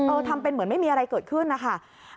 ทำเป็นเหมือนไม่มีอะไรเกิดขึ้นนะคะ